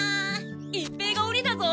一平がおにだぞ！